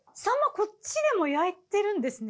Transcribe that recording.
こっちでも焼いてるんですね。